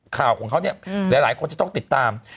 ข่าวของเขาเนี่ยหลายคนจะต้องติดตาม